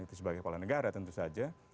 itu sebagai kepala negara tentu saja